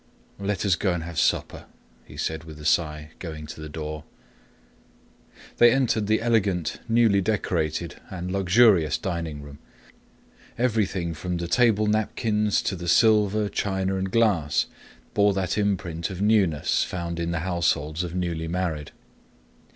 "Let us go and have supper," he said with a sigh, going to the door. They entered the elegant, newly decorated, and luxurious dining room. Everything from the table napkins to the silver, china, and glass bore that imprint of newness found in the households of the newly married.